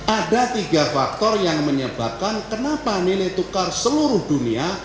ada tiga faktor yang menyebabkan kenapa nilai tukar seluruh dunia